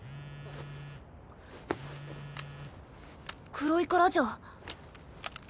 黒井からじゃ。